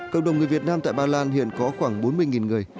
cộng đồng người việt nam tại ba lan hiện có khoảng bốn mươi người